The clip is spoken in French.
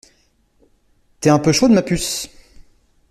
T'es un peu chaude ma puce.